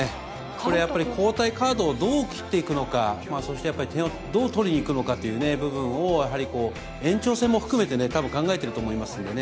これ、やっぱり交代カードをどう切っていくのか、そしてやっぱり、点をどう取りにいくのかっていうね、部分を、延長戦も含めてね、多分、考えてると思いますよね。